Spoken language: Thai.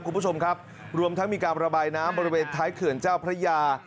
คุณผู้ชมครับรวมทั้งมีการระบายน้ำบริเวณท้ายเขื่อนเจ้าพระยา